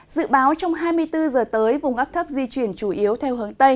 dự báo trong hai mươi bốn giờ tới vùng áp thấp di chuyển chủ yếu theo hướng tây